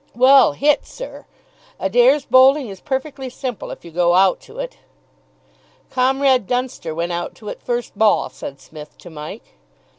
Well hit, sir Adair's bowling is perfectly simple if you go out to it." "Comrade Dunster went out to it first ball," said Psmith to Mike.